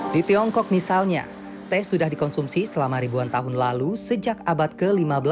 di tiongkok misalnya teh sudah dikonsumsi selama ribuan tahun lalu sejak abad ke lima belas